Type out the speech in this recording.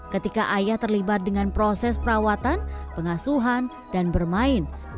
ketika ayah terlibat dengan proses perawatan pengasuhan dan bermain